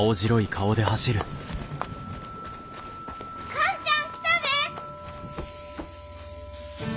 寛ちゃん来たで！